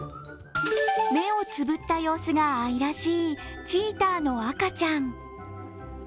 目をつぶった様子が愛らしいチーターの赤ちゃん。